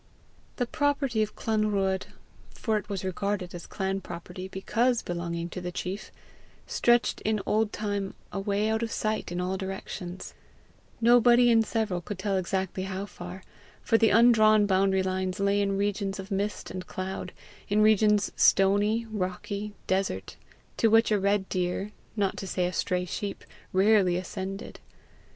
The property of Clanruadh, for it was regarded as clan property BECAUSE belonging to the chief, stretched in old time away out of sight in all directions nobody, in several, could tell exactly how far, for the undrawn boundary lines lay in regions of mist and cloud, in regions stony, rocky, desert, to which a red deer, not to say a stray sheep, rarely ascended.